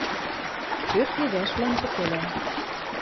Пӧрт левӓшвлӓм тӹкӹлӓ.